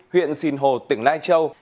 huyện sìn hồ tỉnh lai châu